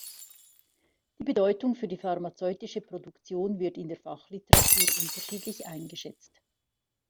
Die Bedeutung für die pharmazeutische Produktion wird in der Fachliteratur unterschiedlich eingeschätzt.